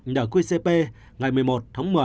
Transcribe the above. nỡ quy cp ngày một mươi một tháng một mươi